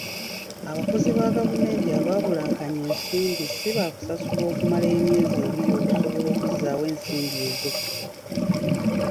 Abakozi ba gavumenti abaabulankanya ensimbi si baakusasulwa okumala emyezi ebiri okusobola okuzzaawo ensimbi ezo.